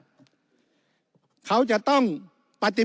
วุฒิสภาจะเขียนไว้ในข้อที่๓๐